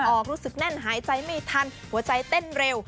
ออกรู้สึกแน่นหายใจไม่ทันหัวใจเต้นเร็ว